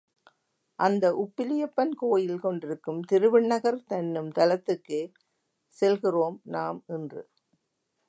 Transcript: அந்த உப்பிலியப்பன் கோயில் கொண்டிருக்கும் திருவிண்ணகர் என்னும் தலத்துக்கே செல்கிறோம் நாம் இன்று.